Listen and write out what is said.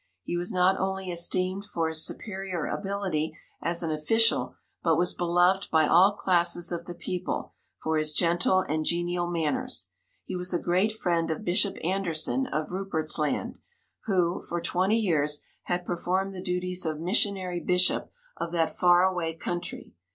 He was not only esteemed for his superior ability as an official, but was beloved by all classes of the people for his gentle and genial manners. He was a great friend of Bishop Anderson of Rupert's Land, who, for twenty years, had performed the duties of missionary bishop of that far away country.